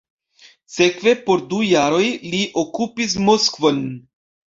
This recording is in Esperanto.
Sekve por du jaroj li okupis Moskvon.